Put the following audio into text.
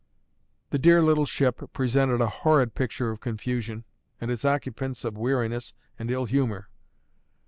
The dear little ship presented a horrid picture of confusion, and its occupants of weariness and ill humour.